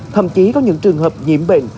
thậm chí có những trường hợp nhiễm bệnh